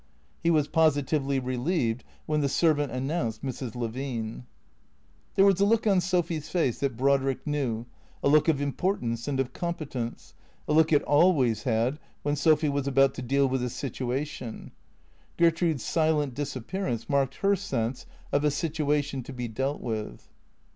He was positively relieved when the servant announced Mrs. Levine. There was a look on Sophy's face that Brodrick knew, a look of importance and of competence, a look it always had when Sophy was about to deal with a situation. Gertrude's silent dis appearance marked her sense of a situation to be dealt with.